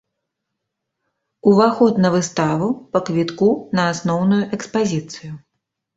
Уваход на выставу па квітку на асноўную экспазіцыю.